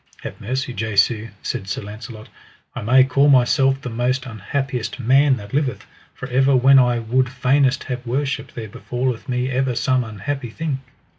Have mercy, Jesu, said Sir Launcelot, I may call myself the most unhappiest man that liveth, for ever when I would fainest have worship there befalleth me ever some unhappy thing.